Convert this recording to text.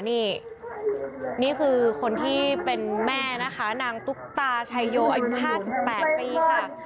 นี่นี่คือคนที่เป็นแม่นะคะนางตุ๊กตาชัยโยอายุ๕๘ปีค่ะ